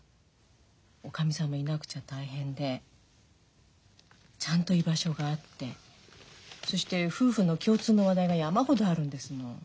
おかみさんもいなくちゃ大変でちゃんと居場所があってそして夫婦の共通の話題が山ほどあるんですもの。